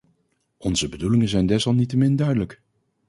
Onze bedoelingen zijn desalniettemin duidelijk.